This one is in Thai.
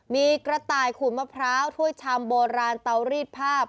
มีกระต่ายขูดมะพร้าวถ้วยชามโบราณเตารีดภาพ